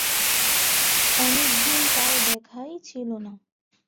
অনেকদিন তার দেখাই ছিল না।